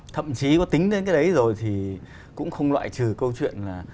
thậm chí có tính đến cái đấy rồi thì cũng không loại trừ câu chuyện là